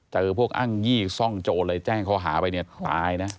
เจอพวกอ้างยี่ซ่องโจรเลยแจ้งข้อหาไปเนี่ยตายนะ